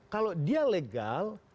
kalau dia legal